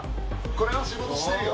これは仕事してるよ。